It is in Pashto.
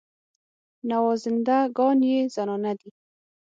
نوازنده ګان یې زنانه دي.